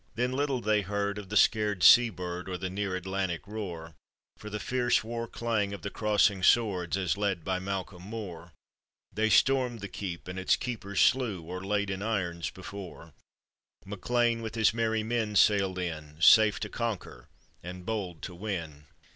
Then little they heard of the scared sea bird Or the near Atlantic roar, For the fierce war clang of the crossing swords As led by Malcolm Mor. They stormed the keep, and its keepers slew, Or laid in irons before; MacLean with his merry men sailed in, Safe to conquer and bold to win.